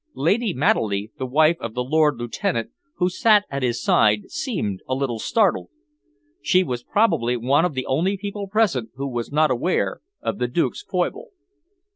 Lady Maddeley, the wife of the Lord Lieutenant, who sat at his side, seemed a little startled. She was probably one of the only people present who was not aware of the Duke's foible.